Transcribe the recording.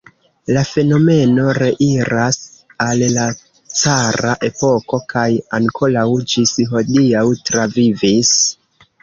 La fenomeno reiras al la cara epoko kaj ankoraŭ ĝis hodiaŭ travivis.